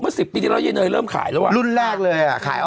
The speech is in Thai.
เมื่อ๑๐ปีแล้วเย็นเนยเริ่มขายแล้วอ่ะ